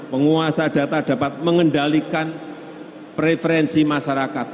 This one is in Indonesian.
penguasa data dapat mengendalikan preferensi masyarakat